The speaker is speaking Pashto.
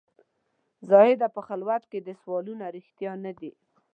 زاهده په خلوت کې دي سوالونه رښتیا نه دي.